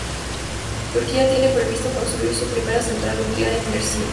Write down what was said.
Turquía tiene previsto construir su primera central nuclear en Mersin.